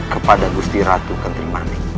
kepada gusti ratu kentirmanik